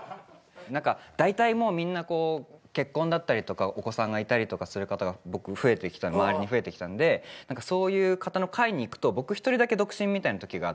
だいたいもうみんな結婚だったりとかお子さんがいたりとかする方が僕周りに増えてきたんでそういう方の会に行くと僕一人だけ独身みたいなときがあって。